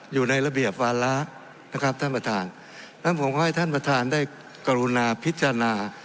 อยู่ในระเบียบวาระนะครับท่านประธานนั้นผมก็ให้ท่านประธานได้กรุณาพิจารณา